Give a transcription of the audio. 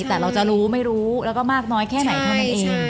แต่เราจะรู้ไม่รู้แล้วก็มากน้อยแค่ไหนเท่านั้นเอง